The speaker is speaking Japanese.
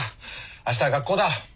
明日は学校だ。